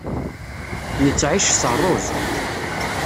Nettεic s rruẓ.